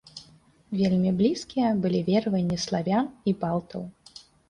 Вельмі блізкія былі вераванні славян і балтаў.